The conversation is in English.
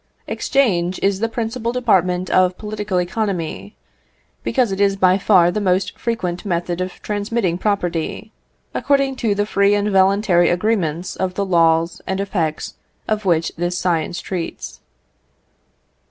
Exchange is the principal department of political economy, because it is by far the most frequent method of transmitting property, according to the free and voluntary agreements of the laws and effects of which this science treats.